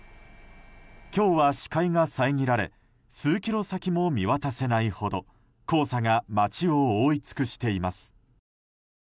今日は視界が遮られ数キロ先も見渡せないほど黄砂が街を覆い尽くしています。